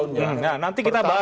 nah nanti kita bahas